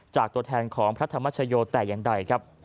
จากตัวแทนของพระธรรมชโยชน์แต่อย่างใด